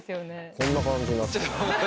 こんな感じになってる。